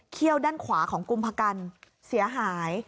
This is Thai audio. เขี้ยวด้านขวาของกรุงพลักษณ์เสียหาย